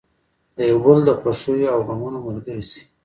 د یو بل د خوښیو او غمونو ملګري شئ.